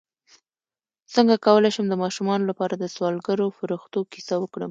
څنګه کولی شم د ماشومانو لپاره د سوالګرو فرښتو کیسه وکړم